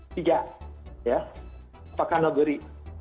tiga ya apakah negeri